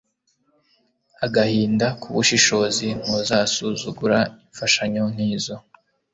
Agahinda kubushishozi ntuzasuzugura imfashanyo nkizo